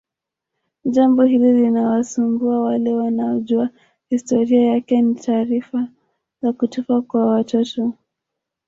Jambo hili linawasumbua wale wanaojua historia yake ni taarifa za kutupwa kwa watoto